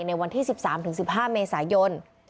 ในวันที่๑๓๑๕เมษายน